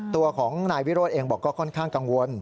ตัวของนายวิโรธเองบอกก็ค่อนข้างกังวล